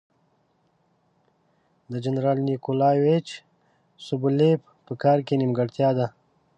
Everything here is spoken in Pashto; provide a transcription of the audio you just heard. د جنرال نیکولایویچ سوبولیف په کار کې نیمګړتیا ده.